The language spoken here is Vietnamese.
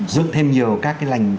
dưới thêm nhiều các cái lành